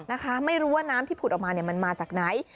นะคะไม่รู้ว่าน้ำที่ผุดออกมาเนี่ยมันมาจากไหน